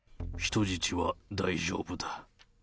人質は大丈夫だ。